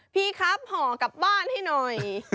พี่ครับห่อกลับบ้านให้หน่อย